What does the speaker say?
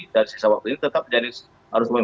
dari sisa waktu ini tetap jadi harus